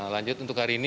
lanjut untuk hari ini